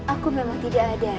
aku memang tidak ada